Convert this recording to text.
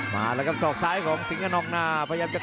นี่ครับพวกซ้าย